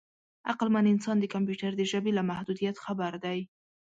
عقلمن انسان د کمپیوټر د ژبې له محدودیت خبر دی.